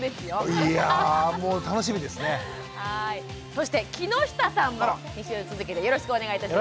そして木下さんも２週続きでよろしくお願いいたします。